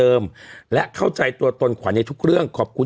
นี่แต่ไปดูว่าคุณเอกขวัญกลับช่องเจ็ด